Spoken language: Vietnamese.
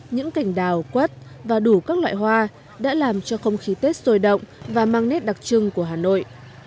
những cành đào quất và đủ các loại hoa đã làm cho không khí tết sôi động và mang nét đặc trưng của hà nội